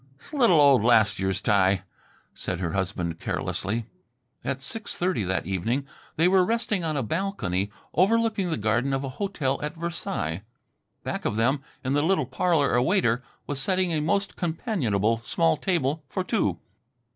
"'S little old last year's tie," said her husband carelessly. At six thirty that evening they were resting on a balcony overlooking the garden of a hotel at Versailles. Back of them in the little parlour a waiter was setting a most companionable small table for two.